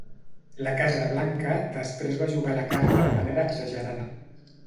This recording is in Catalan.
La Casa Blanca després va jugar la carta de manera exagerada.